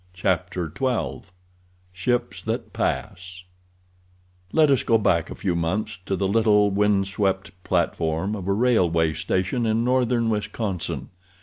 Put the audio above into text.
Chapter XII Ships That Pass Let us go back a few months to the little, windswept platform of a railway station in northern Wisconsin.